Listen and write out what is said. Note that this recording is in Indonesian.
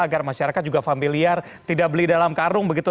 agar masyarakat juga familiar tidak beli dalam karung begitu